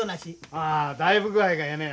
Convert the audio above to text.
ああだいぶ具合がええのや。